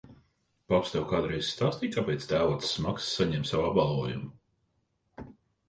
Paps tev kādreiz stāstīja, kādēļ tēvocis Maks saņēma savu apbalvojumu?